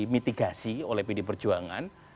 mitigasi oleh pd perjuangan